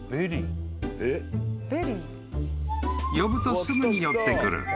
［呼ぶとすぐに寄ってくる］